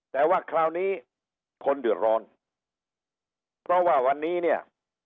แต่ว่าคราวนี้คนเดือดร้อนเพราะว่าวันนี้เนี่ย